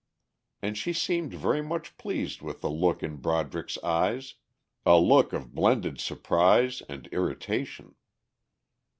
And she seemed very much pleased with the look in Broderick's eyes, a look of blended surprise and irritation.